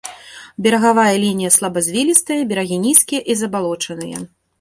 Берагавая лінія слабазвілістая, берагі нізкія і забалочаныя.